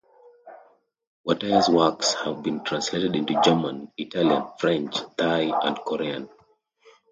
Wataya's works have been translated into German, Italian, French, Thai and Korean.